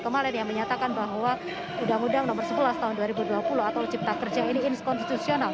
kemarin yang menyatakan bahwa undang undang nomor sebelas tahun dua ribu dua puluh atau cipta kerja ini inskonstitusional